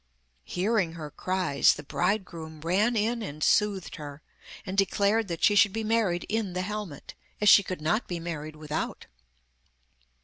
Hearing her cries the bridegroom ran in and soothed her, and declared that she should be married in the helmet, as she could not be married without.